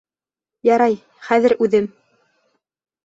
Ярай, хәҙер үҙем.